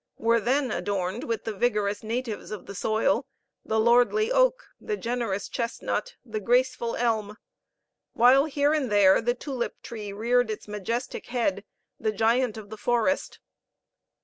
were then adorned with the vigorous natives of the soil the lordly oak, the generous chestnut, the graceful elm while here and there the tulip tree reared its majestic head, the giant of the forest.